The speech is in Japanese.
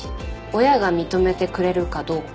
親が認めてくれるかどうか。